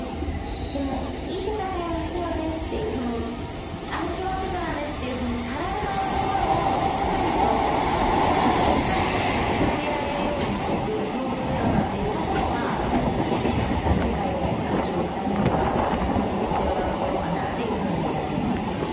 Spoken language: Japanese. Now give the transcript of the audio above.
でも、いい戦いはしたよねって、あれが決まってたらねっていう、たらればのところをしっかりと結果につなげられるようにしていく勝負強さっていうところは、世界で勝っていくためには必ず必要なところかなっていうふうに思います。